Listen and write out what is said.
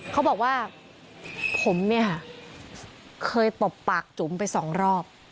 เขาบอกว่าผมเนี่ยค่ะเคยตบปากจุ๋มไปสองรอบ